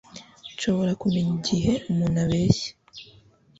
Nshobora kumenya igihe umuntu abeshya